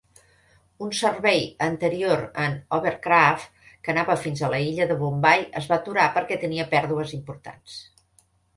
Un servei anterior en hovercraft que anava fins a l'illa de Bombai es va aturar perquè tenia pèrdues importants.